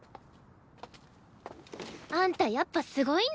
あんたやっぱすごいんだね。